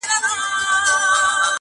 او که خدای دي په نصیب کړی انسان وي.